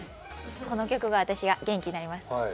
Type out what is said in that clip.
この曲が私は元気になります。